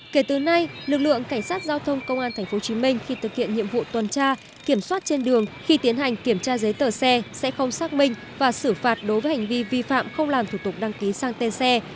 kể từ nay lực lượng cảnh sát giao thông công an tp hcm khi thực hiện nhiệm vụ tuần tra kiểm soát trên đường khi tiến hành kiểm tra giấy tờ xe sẽ không xác minh và xử phạt đối với hành vi vi phạm không làm thủ tục đăng ký sang tên xe